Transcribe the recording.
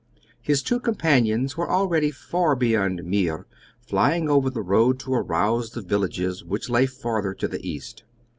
His two companions were already far beyond Meer, flying over the road to arouse the villages which lay farther to the east.